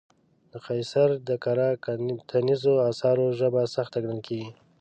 د قیصر د کره کتنیزو اثارو ژبه سخته ګڼل کېږي.